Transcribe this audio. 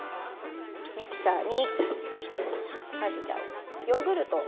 ミキサーにまずじゃあヨーグルトを。